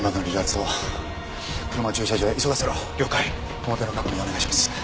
表の確認をお願いします。